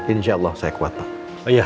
insya allah saya kuat pak